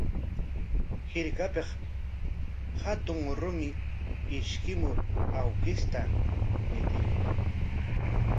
Hirkapik hatun rumi ishkimur awkishta ñitirqun.